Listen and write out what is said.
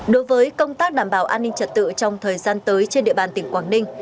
đối với công tác đảm bảo an ninh trật tự trong thời gian tới trên địa bàn tỉnh quảng ninh